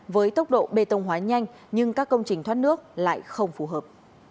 với tốc độ bê tông hóa nhanh nhưng các công trình thoát nước lại không phù hợp